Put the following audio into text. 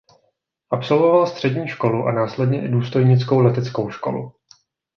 Absolvoval střední školu a následně i důstojnickou leteckou školu.